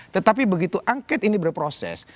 tetapi begitu angket ini berproses